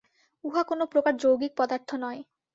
উহা কোন প্রকার যৌগিক পদার্থ নয়।